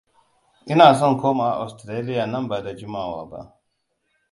Ina son komawa Austarlia nan ba da jimawa ba.